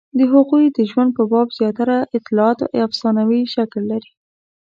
د هغوی د ژوند په باب زیاتره اطلاعات افسانوي شکل لري.